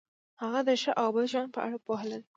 هغه د ښه او بد ژوند په اړه پوهه لري.